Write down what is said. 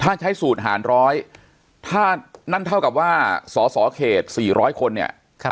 ถ้าใช้สูตรหารร้อยถ้านั่นเท่ากับว่าสสเขต๔๐๐คนเนี่ย